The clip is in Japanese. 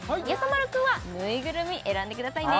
丸くんはぬいぐるみ選んでくださいね